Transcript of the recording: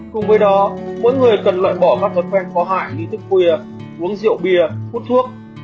cùng với đó mỗi người cần loại bỏ các thói quen có hại nghi thức khuya uống rượu bia hút thuốc